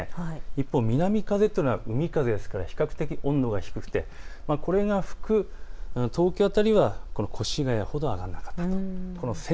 一方、南風というのは海風ですから比較的温度が低くてそれが東京辺りが越谷までは上がらなかった理由です。